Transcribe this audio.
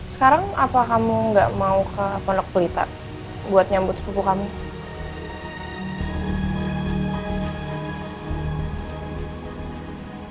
sekarang apa kamu gak mau ke pondok pelita buat nyambut sepupu kami